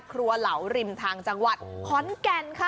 ที่ครัวเหลาริมทางจังหวัดขอนแก่นค่ะ